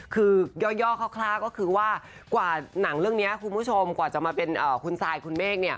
คือย่อเคราะห์คล้าก็คือกว่าผ่าหนังเรื่องเนี่ยคุณผู้ชมกว่าจะมาเป็นคุณไซด์คุณเมฆเนี่ย